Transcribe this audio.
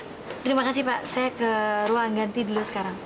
terima kasih pak saya ke ruang ganti dulu sekarang